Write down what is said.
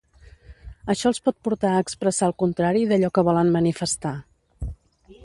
Això els pot portar a expressar el contrari d'allò que volen manifestar.